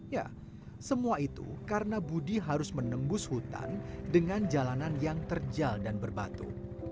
ya semua itu karena budi harus menembus hutan dengan jalanan yang terjal dan berbatu